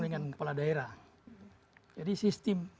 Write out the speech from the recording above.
dengan kepala daerah jadi sistem